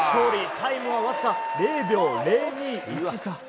タイムは、わずか０秒０２１差。